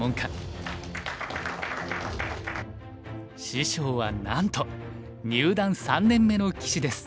師匠はなんと入段三年目の棋士です。